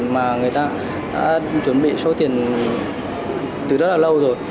mà người ta đã chuẩn bị số tiền từ rất là lâu rồi